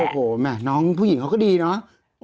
โอฮโหมั้ยน้องหญิงเค้าก็ดีเนาะ